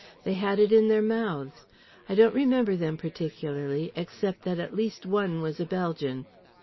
They had it in their mouths. I don't remember them particularly, except that at least one was a Belgian.